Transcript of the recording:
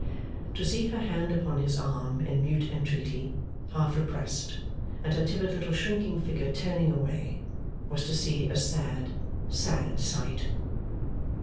To see her hand upon his arm in mute entreaty half repressed, and her timid little shrinking figure turning away, was to see a sad, sad sight.